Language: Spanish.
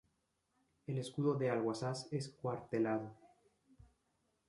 El escudo de Alguazas es cuartelado.